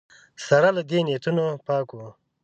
سره له دې نیتونه پاک وو